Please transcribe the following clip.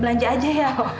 belanja aja ya